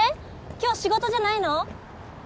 今日仕事じゃないの？